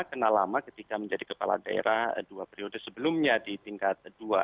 kenal lama ketika menjadi kepala daerah dua periode sebelumnya di tingkat dua